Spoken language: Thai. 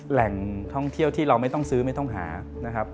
แหล่งท่องเที่ยวที่เราไม่ต้องซื้อไม่ต้องหานะครับ